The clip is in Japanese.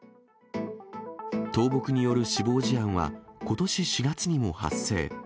倒木による死亡事案は、ことし４月にも発生。